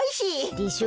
でしょ？